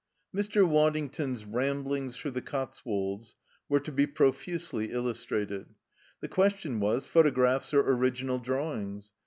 X 1 Mr. Waddington's Ramblings Through the Cotswolds were to be profusely illustrated. The question was: photographs or original drawings?